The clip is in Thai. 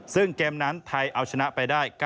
ซึ่งเกมนั้นไทยเอาชนะไปได้